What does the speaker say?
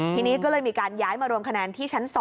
ทีนี้ก็เลยมีการย้ายมารวมคะแนนที่ชั้น๒